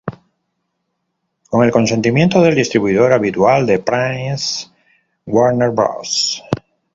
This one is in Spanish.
Con el consentimiento del distribuidor habitual de Prince, Warner Bros.